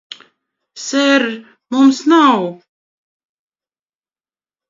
Ser, mums nav...